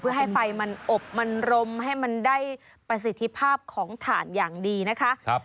เพื่อให้ไฟมันอบมันรมให้มันได้ประสิทธิภาพของถ่านอย่างดีนะคะ